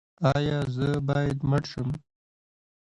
ایا زه باید مړ شم؟